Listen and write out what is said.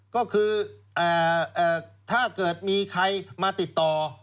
ก็คือถ้าเกิดมีใครมาติดต่อ